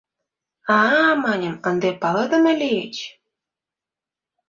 — А-а, маньым, ынде палыдыме лийыч!